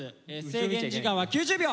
制限時間は９０秒。